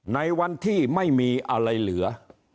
ในวันที่ไม่มีอะไรเหลือ